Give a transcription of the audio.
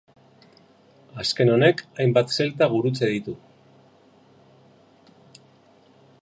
Azken honek hainbat Zelta gurutze ditu.